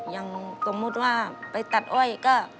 อย่างสมมุติว่าไปตัดอ้อยก็